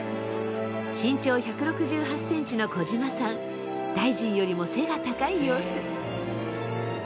身長１６８センチの児島さん大臣よりも背が高い様子。